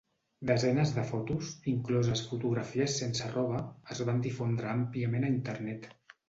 Desenes de fotos, incloses fotografies sense roba, es van difondre àmpliament a Internet.